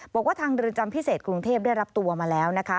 บอกว่าทางเรือนจำพิเศษกรุงเทพได้รับตัวมาแล้วนะคะ